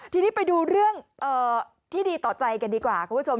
ทีนี้ไปดูเรื่องที่ดีต่อใจกันดีกว่าคุณผู้ชม